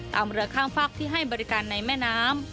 เรือข้ามฝากที่ให้บริการในแม่น้ำ